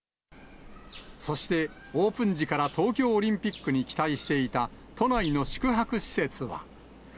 そして、オープン時から東京オリンピックに期待していた都内の宿泊施設は。